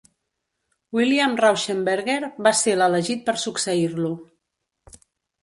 William Rauschenberger va ser l'elegit per succeir-lo.